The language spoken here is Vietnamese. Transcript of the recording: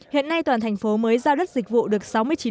hiện nay toàn thành phố mới giao đất dịch vụ được sáu mươi chín